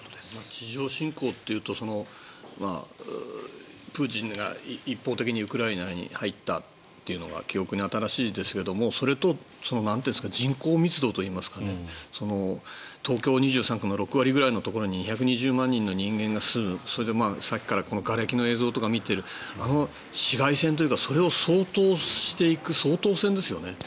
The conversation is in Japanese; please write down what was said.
地上侵攻というとプーチンが一方的にウクライナに入ったというのが記憶に新しいですけどそれと人口密度といいますかね東京２３区の６割ぐらいのところに２２０万人の人間が住むそれでさっきからこのがれきの映像とかを見ている市街戦というかそれを掃討していく掃討戦ですよね。